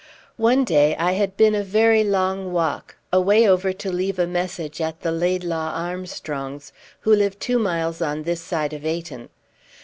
One day I had been a very long walk, away over to leave a message at the Laidlaw Armstrongs, who live two miles on this side of Ayton.